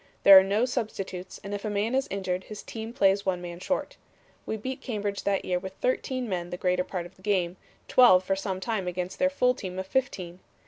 There are no substitutes, and if a man is injured, his team plays one man short. We beat Cambridge that year with thirteen men the greater part of the game, twelve for some time against their full team of fifteen.